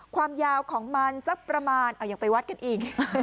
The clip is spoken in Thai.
ความยาวของมันสักประมาณเอาอย่างไปวัดกันอีก